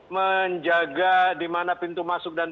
menjaga di mana pintu masuk dan